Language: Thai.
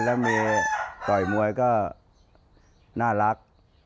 แล้วมีต่อยมวยก็น่ารัก